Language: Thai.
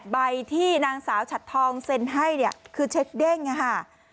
ใบที่นางสาวฉัดทองเซ็นให้เนี่ยคือเช็คเด้งค่ะ